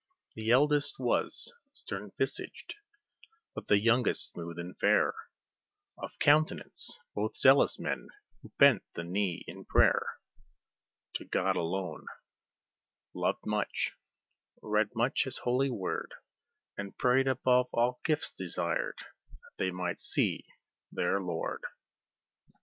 The eldest was stern visaged, but the youngest smooth and fair Of countenance; both zealous, men who bent the knee in prayer To God alone; loved much, read much His holy word, And prayed above all gifts desired, that they might see their Lord.